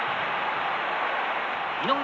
井上